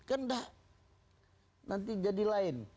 kan enggak nanti jadi lain